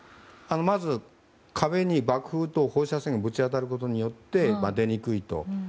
まず、壁に爆風と放射線がぶち当たることによって出にくいと。